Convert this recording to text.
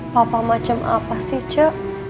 papa macam apa sih cek